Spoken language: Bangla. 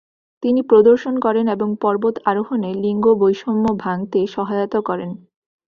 তিনি প্রদর্শন করেন এবং পর্বত আরোহণে লিঙ্গবৈষম্য ভাঙ্গতে সহায়তা করেন।